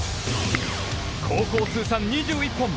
高校通算２１本。